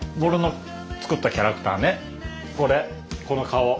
これこの顔。